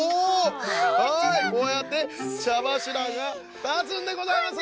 はいこうやって茶柱がたつんでございます！